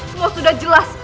semua sudah jelas